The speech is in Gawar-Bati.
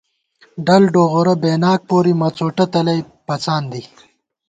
ڈل ڈوغورہ بېناک پوری ، مڅوٹہ تلَئ پَڅان دِی